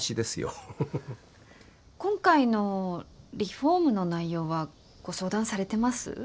今回のリフォームの内容はご相談されてます？